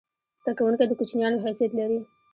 زده کوونکی د کوچنیانو حیثیت لري.